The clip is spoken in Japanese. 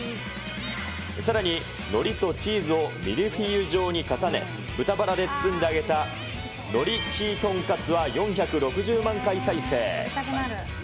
さらにのりとチーズをミルフィーユ状に重ね、豚バラで包んで揚げた海苔チーとんかつは４６０万回再生。